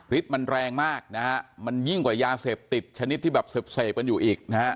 มันแรงมากนะฮะมันยิ่งกว่ายาเสพติดชนิดที่แบบเสพกันอยู่อีกนะฮะ